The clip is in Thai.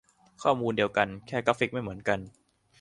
ข้อมูลเดียวกัน แค่กราฟิกไม่เหมือนกัน